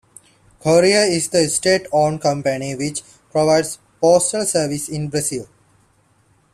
Correios is the state-owned company which provides postal services in Brazil.